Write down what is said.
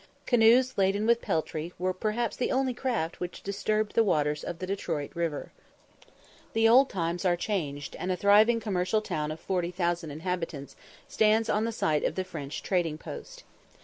Canoes laden with peltry were perhaps the only craft which disturbed the waters of the Detroit river. The old times are changed, and a thriving commercial town of 40,000 inhabitants stands on the site of the French trading post.